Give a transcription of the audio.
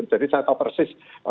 jadi saya tahu persis